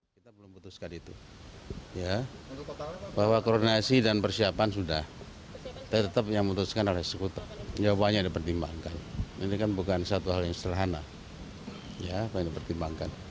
kita belum putuskan itu bahwa koordinasi dan persiapan sudah tetap yang putuskan oleh sekutu jawabannya dipertimbangkan ini kan bukan satu hal yang sederhana